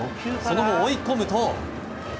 その後、追い込むと。